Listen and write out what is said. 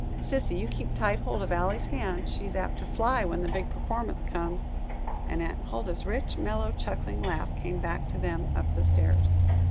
Sissy, you keep tight hold of Ally's hand she's apt to fly when the big performance comes;" and Aunt Huldah's rich, mellow, chuckling laugh came back to them up the stairs.